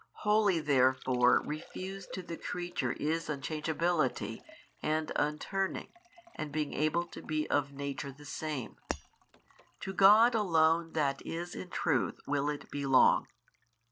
Wholly therefore refused to the creature is unchangeability and un turning and being able to be of nature the same; to God Alone That is in truth will it belong.